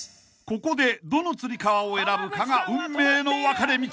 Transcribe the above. ［ここでどのつり革を選ぶかが運命の分かれ道］